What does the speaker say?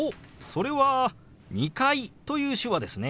それは「２階」という手話ですね。